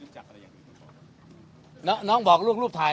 ชั้นเป็นคนที่รู้จัก